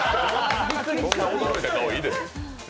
そんな驚いた顔、いいです。